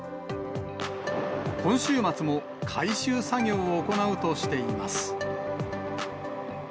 今週末も回収作業を行うとしています。